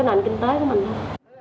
nền kinh tế của mình thôi